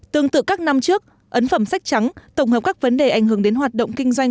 tương tự các năm trước ấn phẩm sách trắng tổng hợp các vấn đề ảnh hưởng đến hoạt động kinh doanh